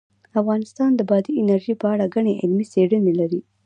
افغانستان د بادي انرژي په اړه ګڼې علمي څېړنې لري.